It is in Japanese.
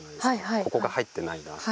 ここが入ってないなとか